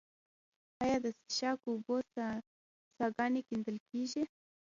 آیا د څښاک اوبو څاګانې کیندل کیږي؟